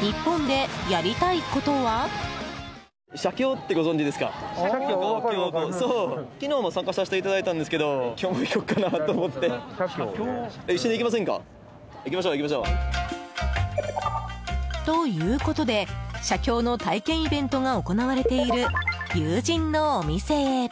日本でやりたいことは？ということで写経の体験イベントが行われている友人のお店へ。